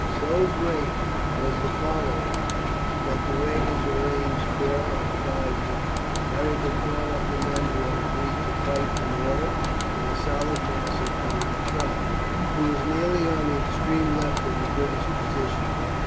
So great was the following that the wagons were ranged four or five deep. Beric had drawn up the men who had agreed to fight in order, in a solid mass in front of the tribe. He was nearly on the extreme left of the British position.